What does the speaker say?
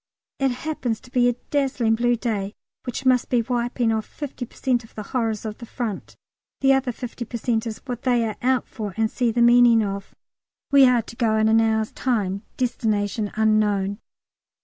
It happens to be a dazzling blue day, which must be wiping off 50 per cent of the horrors of the Front. The other 50 per cent is what they are out for, and see the meaning of. We are to go on in an hour's time, "destination unknown."